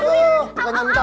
aduh engga nyantap